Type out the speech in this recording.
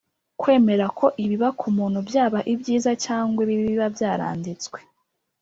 kwemera ko ibiba ku muntu, byaba ibyiza cyangwa ibibi, biba byaranditswe.